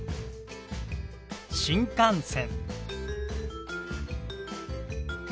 新幹線。